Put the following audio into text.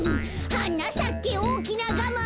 「はなさけおおきなガマ」